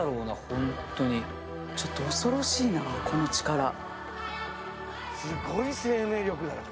ホントにちょっと恐ろしいなこの力すごい生命力だな